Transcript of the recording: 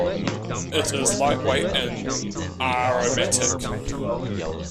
It is lightweight and aromatic.